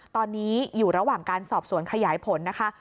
ตอนนี้อยู่ระหว่างการสอบสวนขยายผลนะคะ